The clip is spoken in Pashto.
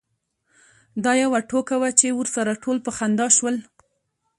دا یوه ټوکه وه چې ورسره ټول په خندا شول.